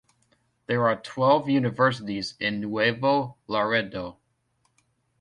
There are twelve universities in Nuevo Laredo.